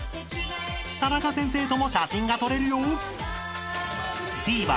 ［タナカ先生とも写真が撮れるよ］